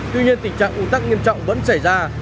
tuy nhiên tình trạng ủ tắc nghiêm trọng vẫn xảy ra